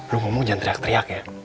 lu ngomong jangan teriak teriak ya